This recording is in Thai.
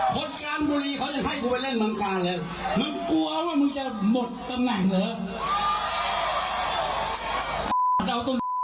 คนการบุรีเขาอยากให้กูไปเล่นเมืองกาลเลยมึงกลัวว่ามึงจะหมดตำแหน่งเหรอ